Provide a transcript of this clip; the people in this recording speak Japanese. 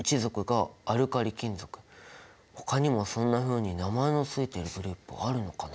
ほかにもそんなふうに名前のついてるグループあるのかな？